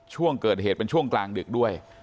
ช่วงเกิดเหตุเป็นช่วงกลางดึกด้วย